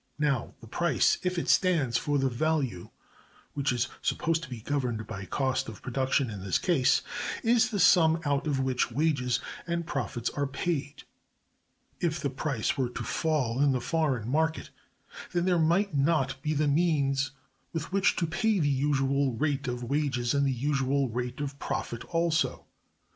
Now, the price, if it stands for the value (which is supposed to be governed by cost of production in this case), is the sum out of which wages and profits are paid. If the price were to fall in the foreign market, then there might not be the means with which to pay the usual rate of wages and the usual rate of profit also.